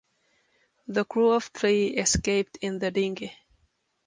The crew of three escaped in the dinghy.